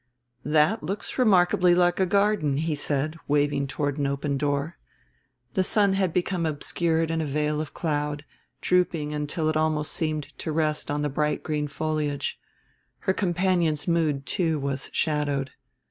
"That looks remarkably like a garden," he said, waving toward an open door. The sun had become obscured in a veil of cloud, drooping until it almost seemed to rest on the bright green foliage; her companion's mood, too, was shadowed.